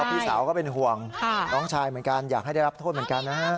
พี่สาวก็เป็นห่วงน้องชายเหมือนกันอยากให้ได้รับโทษเหมือนกันนะฮะ